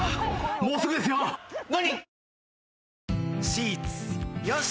もうすぐですよ。何！？